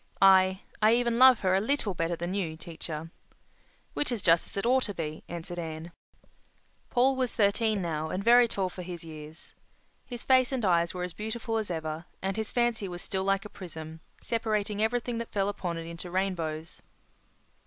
I—I even love her a little better than you, teacher." "Which is just as it ought to be," answered Anne. Paul was thirteen now and very tall for his years. His face and eyes were as beautiful as ever, and his fancy was still like a prism, separating everything that fell upon it into rainbows.